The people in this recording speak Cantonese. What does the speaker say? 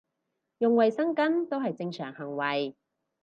用衞生巾都係正常行為